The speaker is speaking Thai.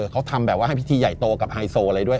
เขาทำแบบว่าให้พิธีใหญ่โตกับไฮโซอะไรด้วย